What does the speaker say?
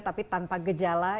tapi tanpa gejala